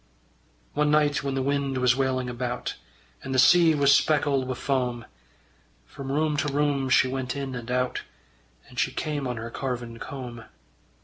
One night when the wind was wailing about, And the sea was speckled wi' foam, From room to room she went in and out And she came on her carven comb.